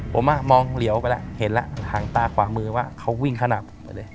ผมมองเหลียวไปแล้วเห็นแล้วหางตาขวามือว่าเขาวิ่งขนาดผมไปเลย